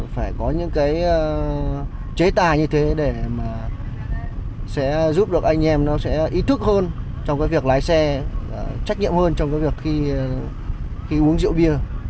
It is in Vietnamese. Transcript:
phải có những cái chế tài như thế để mà sẽ giúp được anh em nó sẽ ý thức hơn trong cái việc lái xe trách nhiệm hơn trong cái việc khi uống rượu bia